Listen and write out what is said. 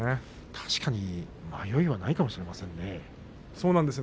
確かに迷いはないかもしれませんね。